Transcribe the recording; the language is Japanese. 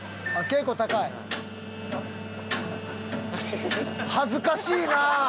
結構高い。恥ずかしいな！